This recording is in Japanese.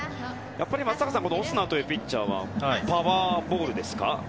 オスナというピッチャーはパワーボールですか？